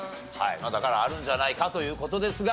だからあるんじゃないか？という事ですが。